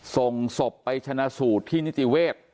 ส่งศพไปชนะสูตรที่นิติเวศ